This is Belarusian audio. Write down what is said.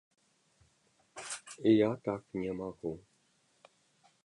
Я так не магу.